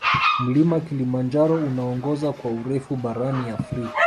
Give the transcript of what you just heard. mlima kilimanjaro unaongoza kwa urefu barani afrika